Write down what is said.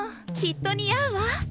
きっと似合うわ。